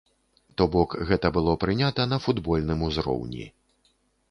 То бок гэта было прынята на футбольным узроўні.